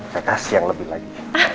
saya kasih yang lebih lagi